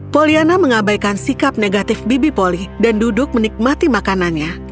poliana mengabaikan sikap negatif bibi polly dan duduk menikmati makanannya